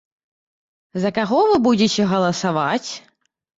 За каго вы будзеце галасаваць?